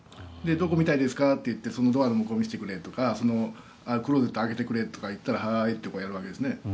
どこを見たいですかと言ってそのドアの向こうを見せてくれとかクローゼット開けてくれとか言ったらはーいとかやるわけですね。